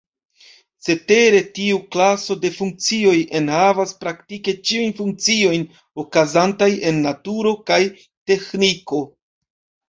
Cetere tiu klaso de funkcioj enhavas praktike ĉiujn funkciojn okazantaj en naturo kaj teĥniko.